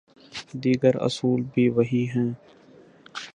دیگر اصول بھی وہی ہیں۔